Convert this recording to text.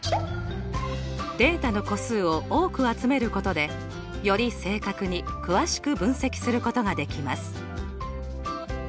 データの個数を多く集めることでより正確に詳しく分析することができます。